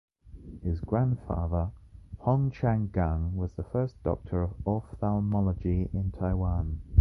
His grandfather, Hong Chang-Gung, was the first Doctor of ophthalmology in Taiwan.